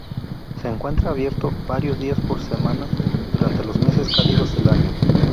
Se encuentra abierto varios días por semana durante los meses cálidos del año.